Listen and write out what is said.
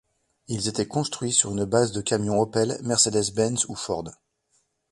Ils étaient construits sur une base de camion Opel, Mercedes-Benz ou Ford.